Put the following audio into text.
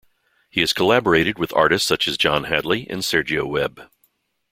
He has collaborated with artists such as John Hadley and Sergio Webb.